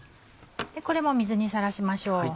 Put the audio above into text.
これも水にさらしましょう。